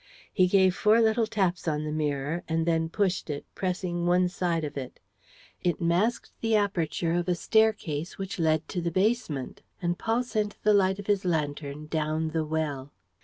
He gave four little taps on the mirror and then pushed it, pressing one side of it. It masked the aperture of a staircase which led to the basement; and Paul sent the light of his lantern down the well.